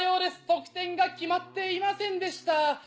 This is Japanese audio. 得点が決まっていませんでした。